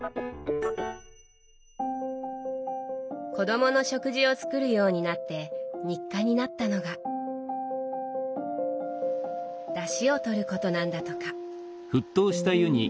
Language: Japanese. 子どもの食事を作るようになって日課になったのがだしをとることなんだとか。